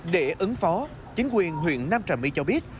để ứng phó chính quyền huyện nam trà my cho biết